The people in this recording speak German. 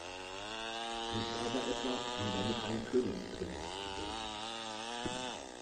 Nicht aber etwa, um damit einen Königs-Drilling zu bilden.